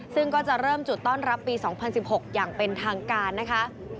ซึ่งก็จะเริ่มจุดต้อนรับปี๒๐๑๖อย่างเป็นทางการนะคะ